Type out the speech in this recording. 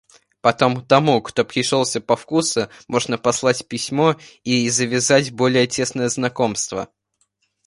Потом тому, кто пришелся по вкусу, можно послать письмо и завязать более тесное знакомство.